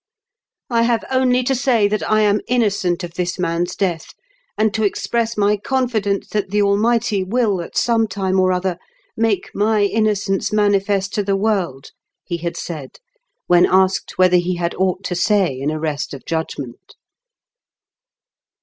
" I have only to say that I am innocent of this man's death, and to express my confidence that the Almighty will, at some time or other, make my innocence manifest to the world," he had said, when asked whether he had aught to say in arrest of judgment.